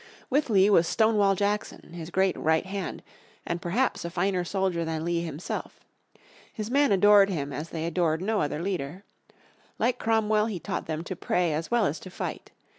With Lee was Stonewall Jackson, his great "right hand," and perhaps a finer soldier than Lee himself. His men adored him as they adored no other leader. Like Cromwell he taught them to pray as well as to fight.